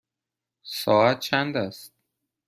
ساعت چند است؟